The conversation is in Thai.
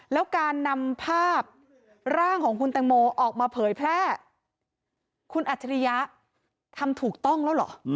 แล้วการนำภาพร่างของคุณแตงโมออกมาเผยแพร่คุณอัจฉริยะทำถูกต้องแล้วเหรอ